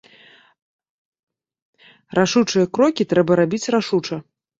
Рашучыя крокі трэба рабіць рашуча!